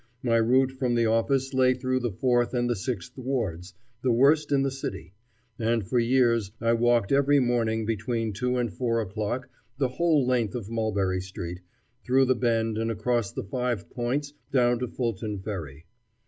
My route from the office lay through the Fourth and the Sixth wards, the worst in the city, and for years I walked every morning between two and four o'clock the whole length of Mulberry Street, through the Bend and across the Five Points down to Fulton Ferry.